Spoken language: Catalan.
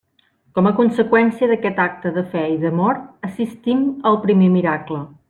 Com a conseqüència d'aquest acte de fe i d'amor assistim al primer miracle.